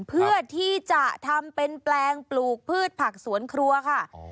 เพื่อที่จะทำเป็นแปลงปลูกพืชผักสวนครัวค่ะ